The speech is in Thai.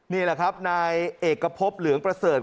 นี่แหละครับนายเอกพบเหลืองประเสริฐ